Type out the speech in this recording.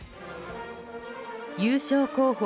優勝候補